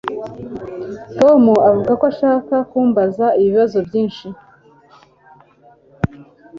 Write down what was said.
Tom avuga ko ashaka kumbaza ibibazo byinshi.